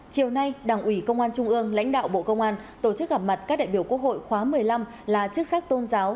chiều nay đảng ủy công an trung ương lãnh đạo bộ công an tổ chức gặp mặt các đại biểu quốc hội khóa một mươi năm là chức sắc tôn giáo